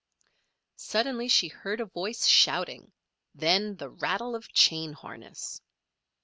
Suddenly she heard a voice shouting, then the rattle of chain harness.